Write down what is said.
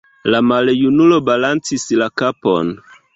La maljunulo balancis la kapon.